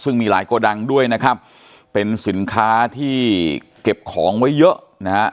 ซึ่งมีหลายโกดังด้วยนะครับเป็นสินค้าที่เก็บของไว้เยอะนะฮะ